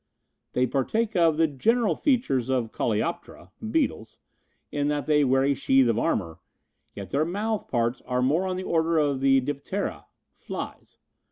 "They partake of the general features of Coleoptera (beetles), in that they wear a sheath of armor, yet their mouth parts are more on the order of the Diptera (flys).